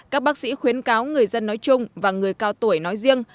các bác sĩ khuyến cáo người dân nói chung và người cao tuổi nói riêng